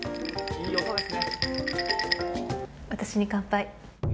私に乾杯。